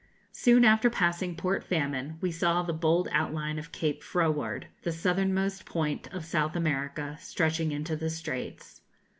Soon after passing Port Famine we saw the bold outline of Cape Froward, the southernmost point of South America, stretching into the Straits.